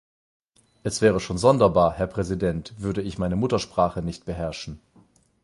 Es wäre schon sonderbar, Herr Präsident, würde ich meine Muttersprache nicht beherrschen.